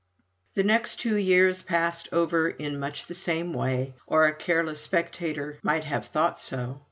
The next two years passed over in much the same way or a careless spectator might have thought so.